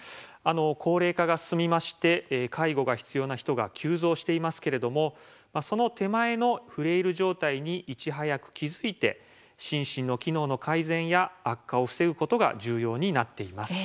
高齢化が進みまして介護が必要な人が急増していますけれどもその手前のフレイル状態にいち早く気付いて心身の機能の改善や悪化を防ぐことが重要になっています。